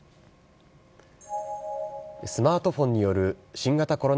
スマートフォンによる新型コロナ